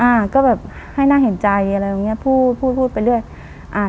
อ่าก็แบบให้น่าเห็นใจอะไรอย่างเงี้พูดพูดพูดไปเรื่อยอ่า